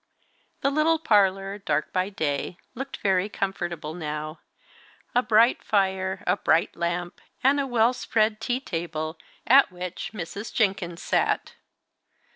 The little parlour, dark by day, looked very comfortable now. A bright fire, a bright lamp, and a well spread tea table, at which Mrs. Jenkins sat.